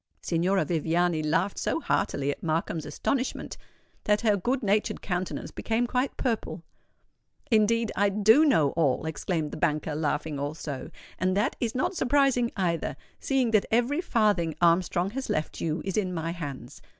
Signora Viviani laughed so heartily at Markham's astonishment, that her good natured countenance became quite purple. "Indeed, I do know all," exclaimed the banker, laughing also; "and that is not surprising, either, seeing that every farthing Armstrong has left you is in my hands.